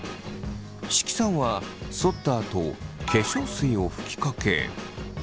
識さんはそったあと化粧水を吹きかけ。